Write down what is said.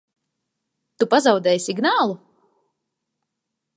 Tu pazaudēji signālu?